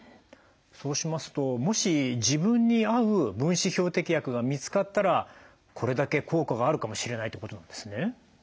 そうしますともし自分に合う分子標的薬が見つかったらこれだけ効果があるかもしれないってことなんですね？